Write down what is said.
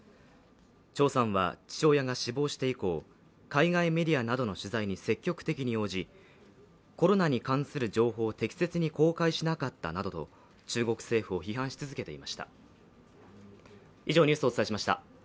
張さんは父親が死亡して以降、海外メディアなどの取材に積極的に応じコロナに関する情報を適切に公開しなかったなどと中国政府を批判し続けていました。